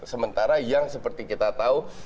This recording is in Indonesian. sementara yang seperti kita tahu